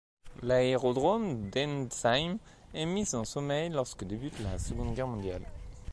L'aérodrome d'Entzheim est mis en sommeil lorsque débute la Seconde Guerre mondiale.